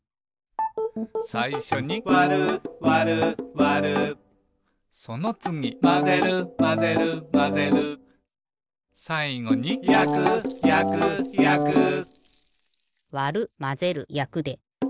さいしょに「わるわるわる」そのつぎ「まぜるまぜるまぜる」さいごに「やくやくやく」わるまぜるやくで。